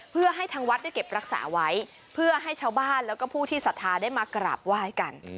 เพื่อให้ทางวัดได้เก็บรักษาไว้เพื่อให้ชาวบ้านแล้วก็ผู้ที่ศรัทธาได้มากราบไหว้กัน